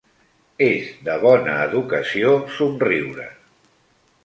És de bona educació somriure.